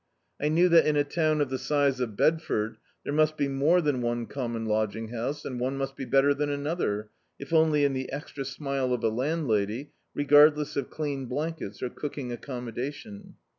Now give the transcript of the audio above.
I knew that in a town of the size of Bed ford there must be more than one commcxi lodging house, and one must be better than another, if only in the extra smile of a landlady, regardless of clean blankets or cooking acccmmodation.